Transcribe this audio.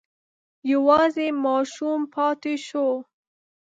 یوازې ماشوم پاتې شو.